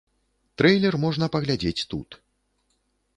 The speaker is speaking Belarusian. Трэйлер можна паглядзець тут.